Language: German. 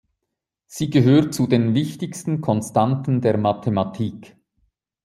Sie gehört zu den wichtigsten Konstanten der Mathematik.